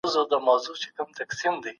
هيڅکله د ټولني له خدمت څخه غاړه مه غړوه.